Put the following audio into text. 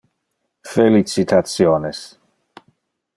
Felicitationes!